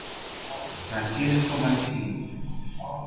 Francesco Mancini